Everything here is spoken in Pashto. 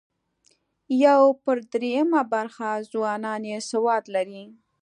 یو پر درېیمه برخه ځوانان یې سواد لري.